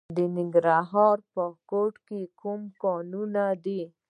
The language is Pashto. د ننګرهار په کوټ کې کوم کانونه دي؟